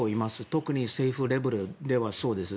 特に政府レベルではそうです。